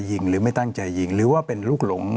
หรือไม่ตั้งใจยิงหรือว่าเป็นลูกหลง